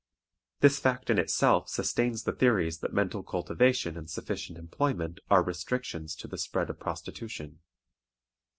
This fact in itself sustains the theories that mental cultivation and sufficient employment are restrictions to the spread of prostitution.